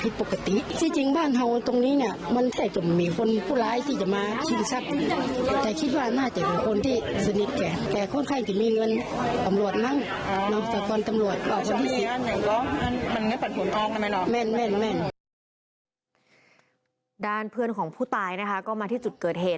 เพื่อนของผู้ตายนะคะก็มาที่จุดเกิดเหตุ